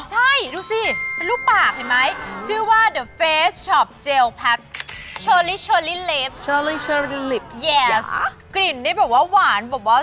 เฮ้ยเดี๋ยวนี้ก็มีแบบนี้กันแล้วเหรอ